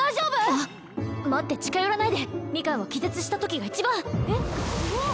待って近寄らないでミカンは気絶したときが一番えっおおっ！